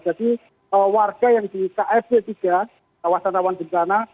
jadi warga yang di kfj tiga kawasan rawan bukit tanah